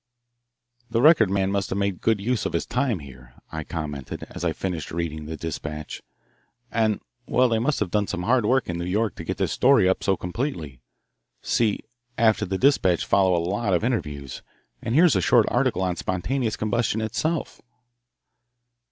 "The Record man must have made good use of his time here," I commented, as I finished reading the despatch. "And well, they must have done some hard work in New York to get this story up so completely see, after the despatch follow a lot of interviews, and here is a short article on spontaneous combustion itself."